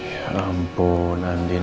ya ampun andien